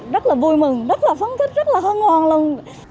rất là vui mừng rất là phấn khích rất là hân hoàng luôn